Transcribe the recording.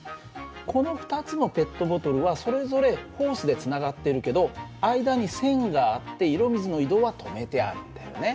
この２つのペットボトルはそれぞれホースでつながっているけど間に栓があって色水の移動は止めてあるんだよね。